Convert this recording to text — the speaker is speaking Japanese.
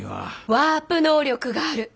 ワープ能力がある？